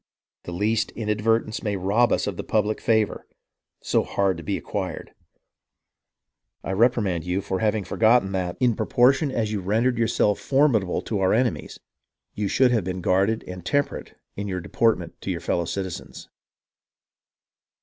The least inadvertence may rob us of the public favour, so hard to be acquired. I reprimand you for having forgotten that, in 292 HISTORY OF THE AMERICAN REVOLUTION proportion as you had rendered yourself formidable to our enemies, you should have been guarded and temperate in your deportment to your fellow citizens.